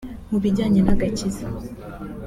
Mu bijyanye n’agakiza